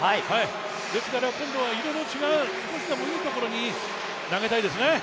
ですから、今度は色の違う、少しでもいいところに投げたいですね。